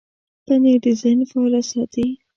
پنېر د ذهن فعاله ساتي.